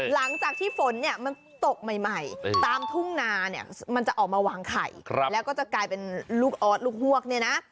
หลังจากที่ฝนเนี่ยมันตกใหม่ตามทุ่งนาเนี่ยมันจะออกมาวางไข่แล้วก็จะกลายเป็นลูกออสลูกฮวกเนี่ยนะ